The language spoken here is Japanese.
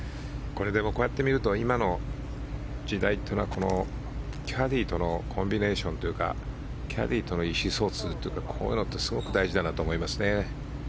こうやって見ると今の時代というのはキャディーとのコンビネーションというかキャディーとの意思疎通というかこういうのってすごく大事だなと思いますね。